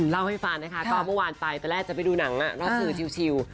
เล่าให้ฟังนะคะก็เมื่อวานไปตอนแรกจะไปดูหนังนอกสื่อชิว